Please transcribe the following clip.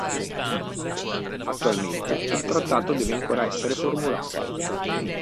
Attualmente, il trattato deve ancora essere formulato.